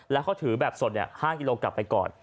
แล้วเขาถือแบบสด๕กิโลกลับไปก่อน